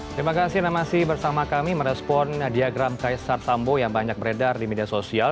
terima kasih namasi bersama kami merespon diagram kaisar sambo yang banyak beredar di media sosial